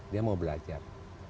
dia mau belajar